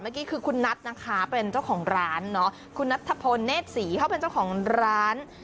เมื่อกี้คือคุณนัทนะคะเป็นเจ้าของร้านเนาะคุณนัทธพลเนธศรีเขาเป็นเจ้าของร้าน